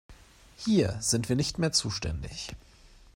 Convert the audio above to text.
Hier sind wir nicht mehr zuständig.